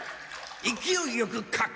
勢いよく書く！